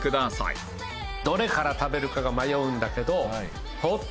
どれから食べるかが迷うんだけど。